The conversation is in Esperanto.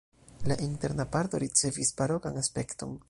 La interna parto ricevis barokan aspekton.